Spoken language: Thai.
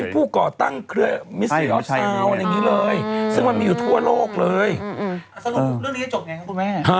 โปรกเลยสรุปเรื่องนี้จะจบไงครับคุณแม่